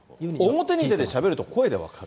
表に出てしゃべると声で分かる。